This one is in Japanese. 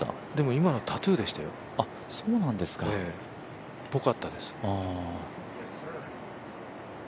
今のタトゥーでしたよ、ぽかったです。